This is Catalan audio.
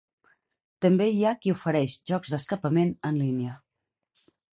També hi ha qui ofereix jocs d'escapament en línia.